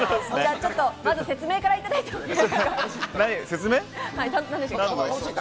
まず説明からいただいてもいいでしょうか？